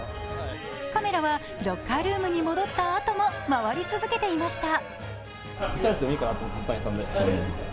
カメラはロッカールームに戻ったあとも回り続けていました。